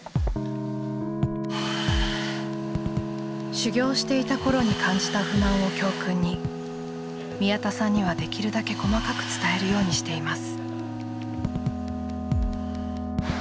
修業していた頃に感じた不満を教訓に宮田さんにはできるだけ細かく伝えるようにしています。